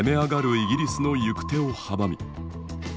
イギリスの行く手を阻み。